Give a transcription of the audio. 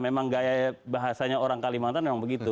memang gaya bahasanya orang kalimantan memang begitu